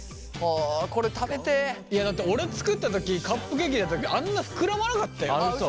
いやだって俺作った時カップケーキだったけどあんな膨らまなかったよ。